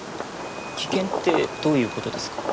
危険ってどういう事ですか？